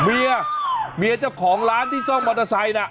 เมียเมียเจ้าของร้านที่ซ่อมมอเตอร์ไซค์น่ะ